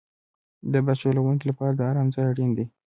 د بس چلوونکي لپاره د آرام ځای اړین دی.